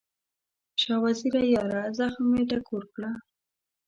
شاه وزیره یاره، زخم مې ټکور کړه